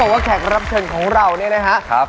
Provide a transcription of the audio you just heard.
ก็บอกว่าแขกรับเชิงของเราเนี่ยนะฮะ